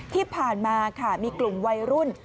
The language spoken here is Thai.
ที่ผ่านมาค่ะมีกลุ่มวัยรุ่น